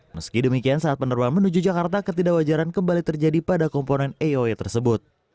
meski demikian saat penerbangan menuju jakarta ketidakwajaran kembali terjadi pada komponen aoe tersebut